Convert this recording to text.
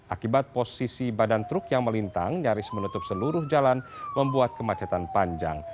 akibat posisi badan truk yang melintang nyaris menutup seluruh jalan membuat kemacetan panjang